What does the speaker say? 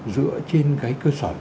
dựa trên cái cơ sở